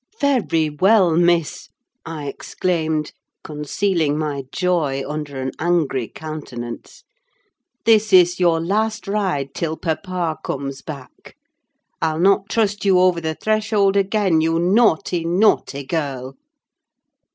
"Very well, Miss!" I exclaimed, concealing my joy under an angry countenance. "This is your last ride, till papa comes back. I'll not trust you over the threshold again, you naughty, naughty girl!"